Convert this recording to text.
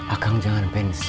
akang jangan pensiun